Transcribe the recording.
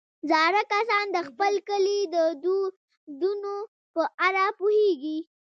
زاړه کسان د خپل کلي د دودونو په اړه پوهېږي